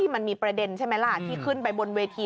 มันมีประเด็นใช่ไหมล่ะที่ขึ้นไปบนเวที